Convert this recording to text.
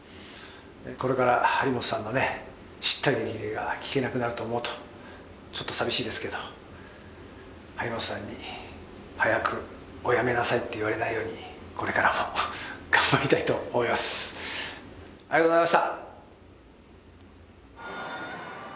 これから張本さんの叱咤激励が聞けなくなると思うとちょっと寂しいですけど、張本さんに早くお辞めなさいと言われないようにこれからも頑張りたいと思います。